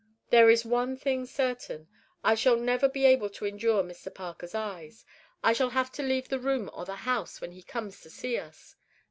There is one thing certain: I shall never be able to endure Mr. Parker's eyes. I shall have to leave the room or the house when he comes to see us.